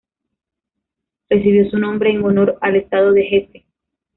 Recibió su nombre en honor al Estado de Hesse.